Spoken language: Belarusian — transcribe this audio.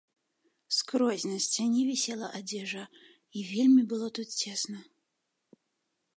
Скрозь на сцяне вісела адзежа, і вельмі было тут цесна.